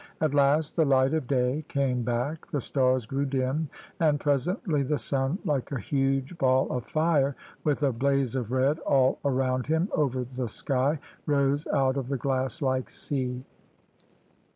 At last the light of day came back, the stars grew dim, and presently the sun, like a huge ball of fire, with a blaze of red all around him over the sky, rose out of the glass like sea.